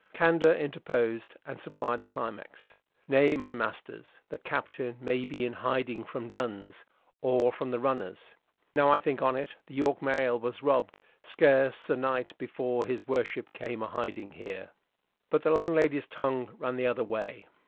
Candor interposed and supplied the climax, "Nay, my masters, the Captain may be in hiding from duns, or from the runners: now I think on't, the York mail was robbed scarce a se'nnight before his worship came a hiding here." But the landlady's tongue ran the other way.